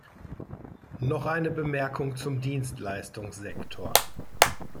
Noch eine Bemerkung zum Dienstleistungssektor.